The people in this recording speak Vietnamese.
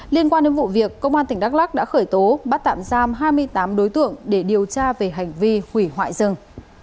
liên quan đến vụ việc công an tỉnh đắk lắc đã khởi tố bắt tạm giam hai mươi tám đối tượng để điều tra về hành vi hủy hoại rừng